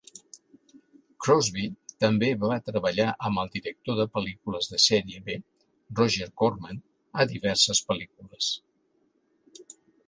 Crosby també va treballar amb el director de pel·lícules de sèrie B Roger Corman a diverses pel·lícules.